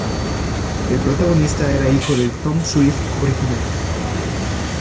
El protagonista era hijo del Tom Swift original.